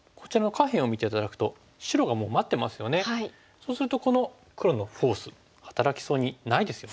そうするとこの黒のフォース働きそうにないですよね。